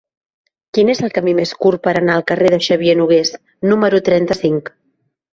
Quin és el camí més curt per anar al carrer de Xavier Nogués número trenta-cinc?